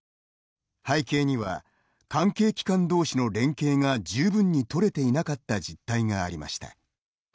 背景には関係機関どうしの連携が十分に取れていなかった実態がありました。